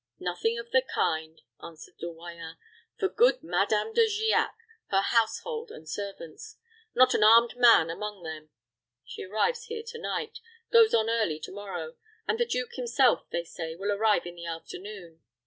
"Nothing of the kind," answered De Royans. "For good Madame De Giac, her household and servants not an armed man among them. She arrives here to night; goes on early to morrow; and the duke himself, they say, will arrive in the afternoon.